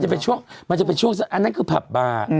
ใช่มันจะเป็นช่วงอันนั้นคือผับบา